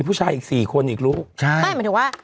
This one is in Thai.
ผู้หญิงกันนะ